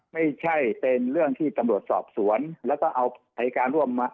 ไม่ใช่เป็นเรื่องที่ตำรวจสอบสวนแล้วก็เอาอายการร่วมมา